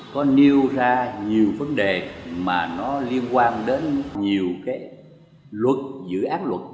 có nêu ra nhiều vấn đề mà nó liên quan đến nhiều cái luật dự án luật